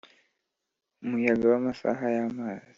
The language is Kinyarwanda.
umuyaga w'amasaha y'amazi